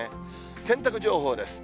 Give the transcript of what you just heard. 洗濯情報です。